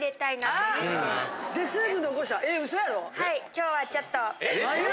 今日はちょっと。